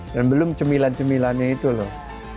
dan belum cemilan cemilannya itu loh